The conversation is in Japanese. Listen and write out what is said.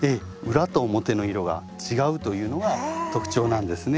裏と表の色が違うというのが特徴なんですね。